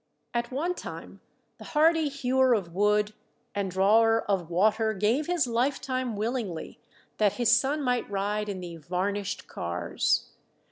At one time the hardy hewer of wood and drawer of water gave his lifetime willingly that his son might ride in the "varnished cars."